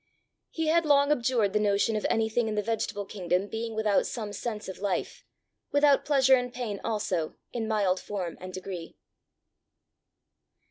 He had long abjured the notion of anything in the vegetable kingdom being without some sense of life, without pleasure and pain also, in mild form and degree.